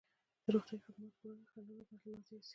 د روغتیايي خدماتو پر وړاندې خنډونه باید له منځه یوسي.